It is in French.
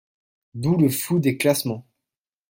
D'où le flou des classements.